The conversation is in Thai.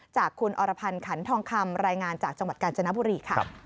จากคุณอรพันธ์ขันทองคำรายงานจากจังหวัดกาญจนบุรีค่ะ